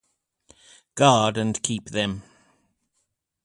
Guard and keep them!